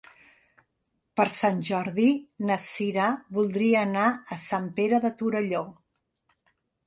Per Sant Jordi na Cira voldria anar a Sant Pere de Torelló.